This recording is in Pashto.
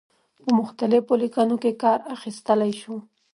په مختلفو لیکنو کې کار اخیستلای شو.